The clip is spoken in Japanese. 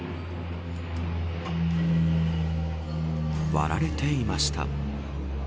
割られていました。